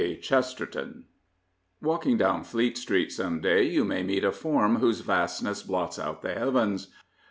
CHESTERTON Walking down Fleet Street some day you may meet a form whose vastness blots out the heavens.